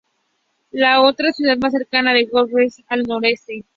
La otra ciudad más cercana es Holbæk, al noroeste.